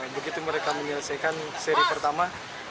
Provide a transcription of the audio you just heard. begitu mereka menyelesaikan seri pertama